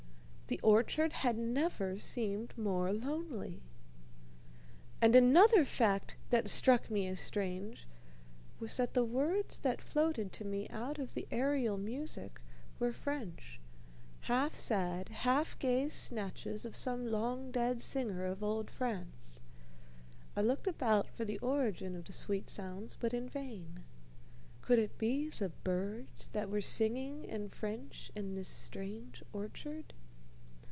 The orchard had never seemed more lonely. And another fact that struck me as strange was that the words that floated to me out of the aerial music were French, half sad, half gay snatches of some long dead singer of old France, I looked about for the origin of the sweet sounds, but in vain. Could it be the birds that were singing in French in this strange orchard?